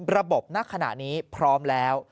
ระบบนักขณะนี้พร้อมแล้ว